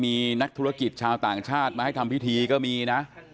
มีนักธุรกิจชาวต่างชาติมาให้ทำพิธีก็มีนะ